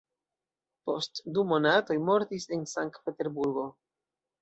Post du monatoj mortis en Sank-Peterburgo.